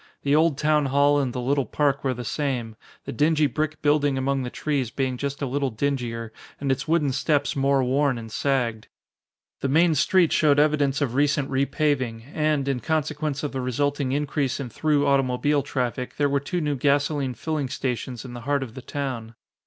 The old town hall and the little park were the same, the dingy brick building among the trees being just a little dingier and its wooden steps more worn and sagged. The main street showed evidence of recent repaving, and, in consequence of the resulting increase in through automobile traffic; there were two new gasoline filling stations in the heart of the town.